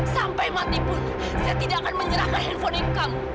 sampai mati pun saya tidak akan menyerahkan handphone itu kamu